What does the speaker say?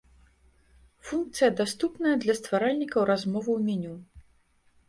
Функцыя даступная для стваральнікаў размовы ў меню.